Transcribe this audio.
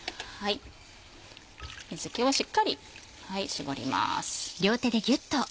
水気をしっかり絞ります。